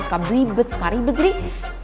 suka beribet sekali beribet